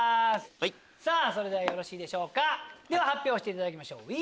それではよろしいでしょうか発表していただきましょう。